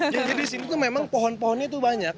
jadi di sini tuh memang pohon pohonnya tuh banyak